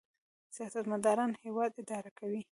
سیاستمدار هیواد اداره کوي